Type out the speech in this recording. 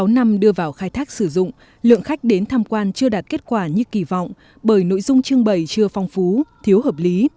sáu năm đưa vào khai thác sử dụng lượng khách đến tham quan chưa đạt kết quả như kỳ vọng bởi nội dung trưng bày chưa phong phú thiếu hợp lý